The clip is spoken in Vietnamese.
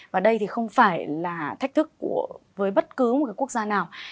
và đây thì không phải là thách thức với bất cứ một cái quốc gia nào